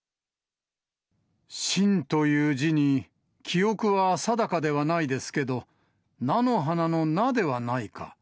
真という字に、記憶は定かではないですけど、菜の花の菜ではないか。